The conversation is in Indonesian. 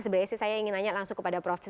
sebenarnya saya ingin nanya langsung kepada prof